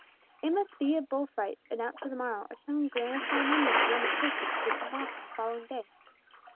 It might be a bull fight announced for the morrow, or some grand ceremonial of the Romish Church which was to come off on the following day.